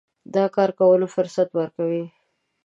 د کار کولو فرصت ورکوي.